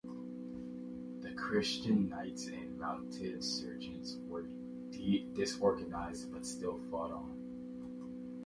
The Christian knights and mounted serjeants were disorganized, but still fought on.